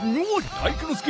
体育ノ介！